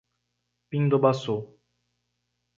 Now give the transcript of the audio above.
Pindobaçu